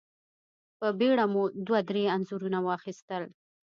په بېړه مو دوه درې انځورونه واخيستل.